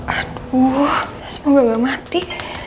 aduu semoga gak mati